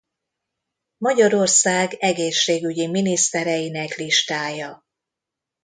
Magyarország egészségügyi minisztereinek listája